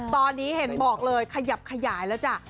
ตอนนี้เห็นบอกเลยขยับขยายแล้วจ้ะ